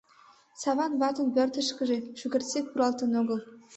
Саван ватын пӧртышкыжӧ шукертсек пуралтын огыл.